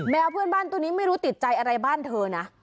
เพื่อนบ้านตัวนี้ไม่รู้ติดใจอะไรบ้านเธอนะ